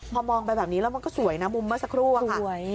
พอมองไปแบบนี้เราก็สวยนะมุมเมอร์สักครู่ค่ะ